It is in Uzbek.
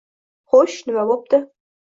Xo'sh, nima bo'pti?